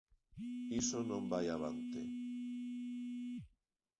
Iso non vai avante.